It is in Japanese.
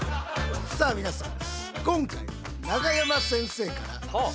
さあ皆さん。